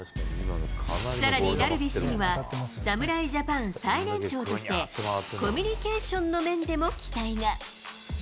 さらにダルビッシュには、侍ジャパン最年長として、コミュニケーションの面でも期待が。